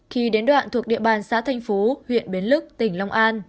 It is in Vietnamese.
khi đến đoạn thuộc địa bàn xã thanh phú huyện bến lức tỉnh long an